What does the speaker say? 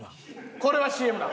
これはＣＭだ。